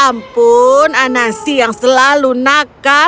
ampun anansi yang selalu nakal